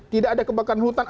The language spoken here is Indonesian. tidak ada kebakaran hutan